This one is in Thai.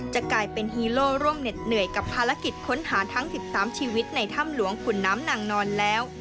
จะกลายเป็นฮีโร่ร่วมเหน็ดเหนื่อยกับภารกิจค้นหาทั้ง๑๓ชีวิตในถ้ำหลวงขุนน้ำนางนอนแล้ว